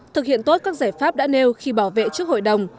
thực hiện tốt các giải pháp đã nêu khi bảo vệ trước hội đồng